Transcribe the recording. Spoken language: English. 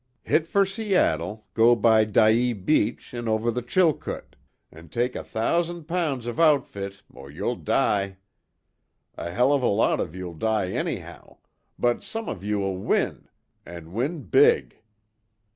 Hit fer Seattle, go by Dyea Beach an' over the Chilkoot, an' take a thousand pounds of outfit or you'll die. A hell of a lot of you'll die anyhow but some of you will win an' win big.